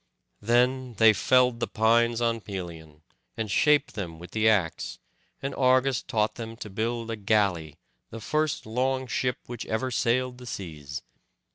Then they felled the pines on Pelion, and shaped them with the axe, and Argus taught them to build a galley, the first long ship which ever sailed the seas.